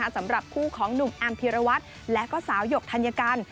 สำหรับคู่ของหนุ่มแอมพีรวัตรและก็สาวหยกธัญกัน